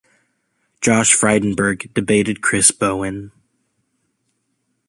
Josh Frydenberg debated Chris Bowen.